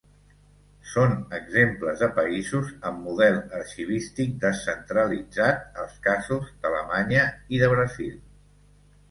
Són exemples de països amb model arxivístic descentralitzat als casos d'Alemanya i de Brasil.